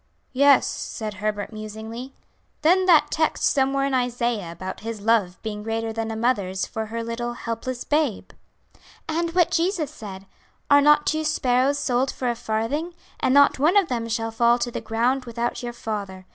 "'" "Yes," said Herbert, musingly. "Then that text somewhere in Isaiah about His love being greater than a mother's for her little helpless babe." "And what Jesus said: 'Are not two sparrows sold for a farthing? and not one of them shall fall to the ground without your Father.